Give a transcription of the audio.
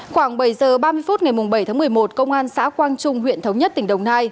khoảng bảy h ba mươi phút ngày bảy tháng một mươi một công an xã quang trung huyện thống nhất tỉnh đồng nai